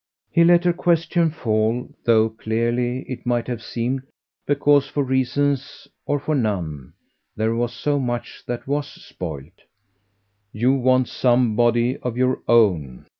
He let her question fall though clearly, it might have seemed, because, for reasons or for none, there was so much that WAS spoiled. "You want somebody of your own."